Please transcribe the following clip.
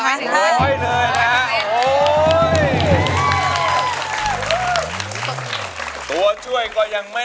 มาฟังอินโทรเพลงที่๑๐